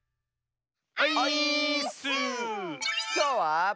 きょうは。